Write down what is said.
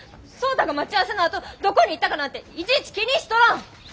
壮多が待ち合わせのあとどこに行ったかなんていちいち気にしとらん！